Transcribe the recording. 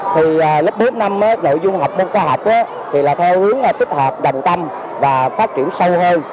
thì lớp bốn năm nội dung học môn khoa học thì là theo hướng kết hợp đồng tâm và phát triển sâu hơn